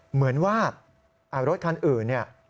เหมือนว่ารถคันอื่น